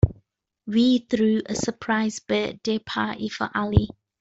We threw a surprise birthday party for Ali.